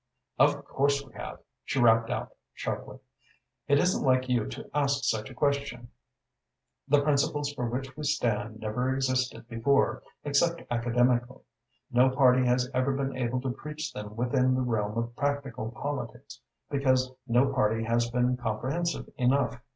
"Of course we have," she rapped out sharply. "It isn't like you to ask such a question. The principles for which we stand never existed before, except academically. No party has ever been able to preach them within the realm of practical politics, because no party has been comprehensive enough.